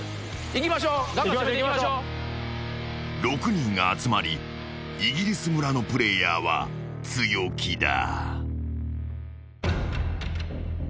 ［６人が集まりイギリス村のプレイヤーは強気だ］